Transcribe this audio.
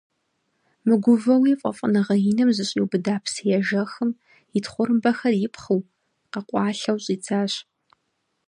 Мыгувэуи фӀэфӀыныгъэ иным зэщӀиубыда псыежэхым, и тхъурымбэхэр ипхъыу, къэкъуалъэу щӀидзащ.